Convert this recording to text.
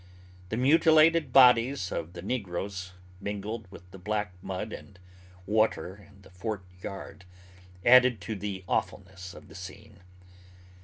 The mutilated bodies of the negroes, mingled with the black mud and water in the fort yard, added to the awfulness of the scene.